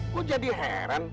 kok jadi heran